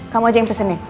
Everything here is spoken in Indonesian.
kamu aja yang pesenin